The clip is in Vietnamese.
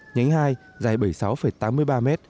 nhánh hai dài bảy mươi sáu tám mươi ba m